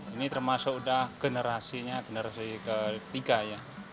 ini termasuk udah generasinya generasi ketiga ya